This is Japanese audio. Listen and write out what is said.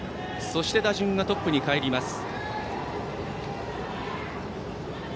そして、打順がトップにかえります。